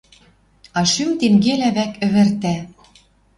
А шӱм тенгелӓ вӓк ӹвӹртӓ!..